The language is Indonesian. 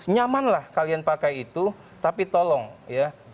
nyamanlah kalian pakai itu tapi tolong ya